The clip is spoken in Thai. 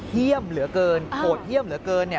เยี่ยมเหลือเกินโหดเยี่ยมเหลือเกิน